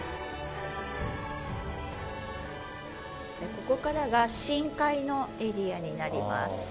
ここからが深海のエリアになります。